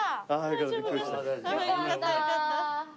よかったよかった。